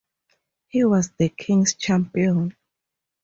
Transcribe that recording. He was the King's champion.